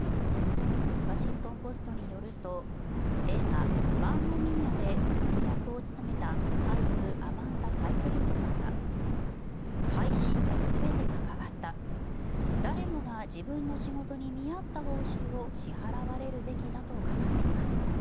ワシントン・ポストによると映画「マンマ・ミーア！」で娘役を務めた俳優アマンダ・サイフリッドさんは配信で全てが変わった誰もが自分の仕事に見合った報酬を支払われるべきだと語っています。